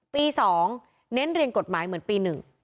ปี๒เน้นเรียงกฎหมายเหมือนปี๑